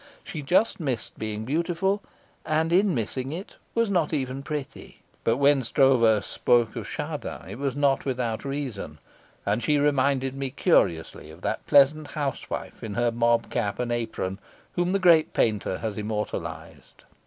She just missed being beautiful, and in missing it was not even pretty. But when Stroeve spoke of Chardin it was not without reason, and she reminded me curiously of that pleasant housewife in her mob cap and apron whom the great painter has immortalised.